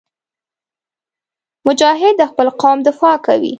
مجاهد د خپل قوم دفاع کوي.